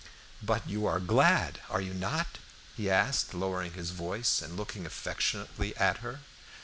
"But you are glad, are you not?" he asked, lowering his voice, and looking affectionately at her.